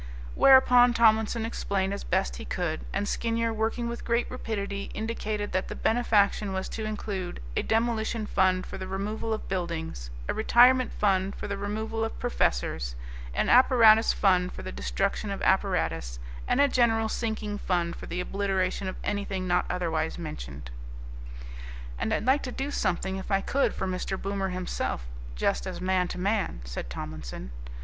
Whereupon Tomlinson explained as best he could, and Skinyer, working with great rapidity, indicated that the benefaction was to include a Demolition Fund for the removal of buildings, a Retirement Fund for the removal of professors, an Apparatus Fund for the destruction of apparatus, and a General Sinking Fund for the obliteration of anything not otherwise mentioned. "And I'd like to do something, if I could, for Mr. Boomer himself, just as man to man," said Tomlinson.